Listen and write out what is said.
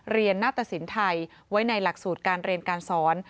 เรียนนักตระสินไทยไว้ในหลักสูตรการเรียนการสอน